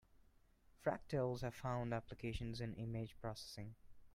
Fractals have found applications in image processing.